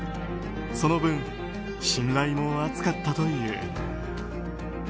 その分、信頼も厚かったという。